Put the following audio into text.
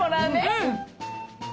うん！